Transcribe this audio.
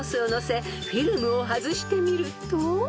フィルムを外してみると］